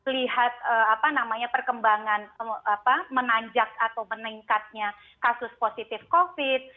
lihat apa namanya perkembangan menanjak atau meningkatnya kasus positif covid